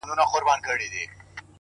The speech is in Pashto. پرمختګ له لومړي ګامه پیلېږي،